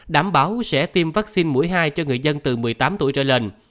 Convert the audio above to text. đảm bảo sẽ tiêm vaccine mũi hai cho người dân từ một mươi tám tuổi trở lên